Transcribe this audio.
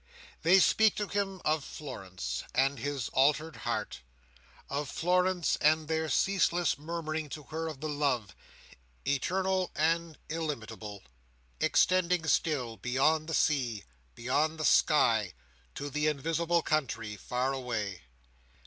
They speak to him of Florence and his altered heart; of Florence and their ceaseless murmuring to her of the love, eternal and illimitable, extending still, beyond the sea, beyond the sky, to the invisible country far away.